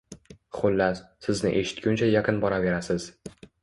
Xullas, sizni eshitguncha yaqin boraverasiz.